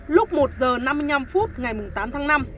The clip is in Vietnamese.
lúc một h năm mươi năm phút ngày tám tháng năm